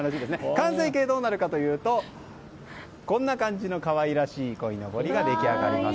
完成形、どうなるかというとこんな感じの可愛らしいこいのぼりが出来上がります。